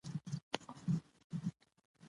هغه پخپله هم کار کوي.